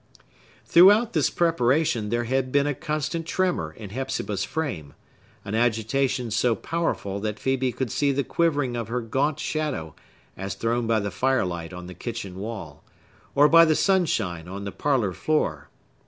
Throughout this preparation there had been a constant tremor in Hepzibah's frame; an agitation so powerful that Phœbe could see the quivering of her gaunt shadow, as thrown by the firelight on the kitchen wall, or by the sunshine on the parlor floor.